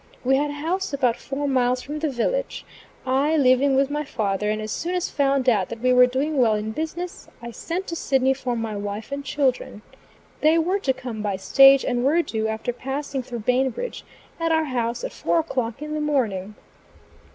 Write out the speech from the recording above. We had a house about four miles from the village, I living with my father, and as soon as found out that we were doing well in business, I sent to Sidney for my wife and children. They were to come by stage, and were due, after passing through Bainbridge, at our house at four o'clock in the morning.